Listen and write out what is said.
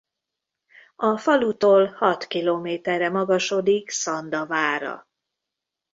A falutól hat kilométerre magasodik Szanda vára.